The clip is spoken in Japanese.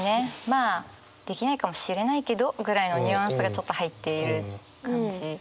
「まあできないかもしれないけど」ぐらいのニュアンスがちょっと入っている感じ。